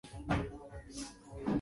hapo awali Hatukujikwaa tu juu ya miti